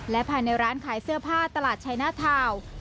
และภายในร้านขายเสื้อผ้าตลาดชัยหน้าทาวน์